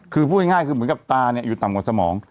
คือพูดง่ายคือเหมือนกับตาอยู่ต่ำกว่าสมอง